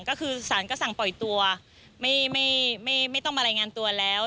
ก็คือสารก็สั่งปล่อยตัวไม่ต้องมารายงานตัวแล้ว